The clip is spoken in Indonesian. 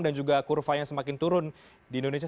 dan juga kurvanya semakin turun di indonesia